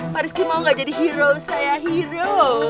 pak rizky mau gak jadi hero saya hero